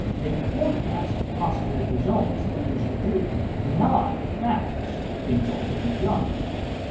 They forecast possible results, things to do, not facts (things already done).